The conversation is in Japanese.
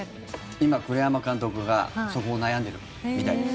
今、栗山監督がそこを悩んでるみたいです。